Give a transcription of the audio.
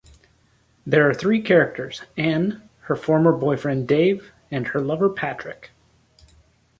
There are three characters: Ann, her former boyfriend Dave, and her lover Patrick.